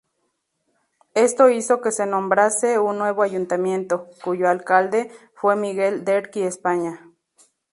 Esto hizo que se nombrase un nuevo ayuntamiento, cuyo alcalde fue Miguel Derqui España.